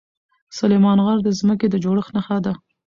سلیمان غر د ځمکې د جوړښت نښه ده.